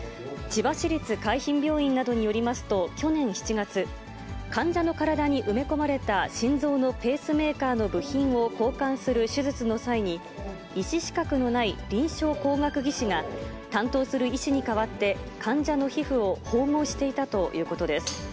千葉市立海浜病院などによりますと、去年７月、患者の体に埋め込まれた心臓のペースメーカーの部品を交換する手術の際に、医師資格のない臨床工学技士が担当する医師に代わって患者の皮膚を縫合していたということです。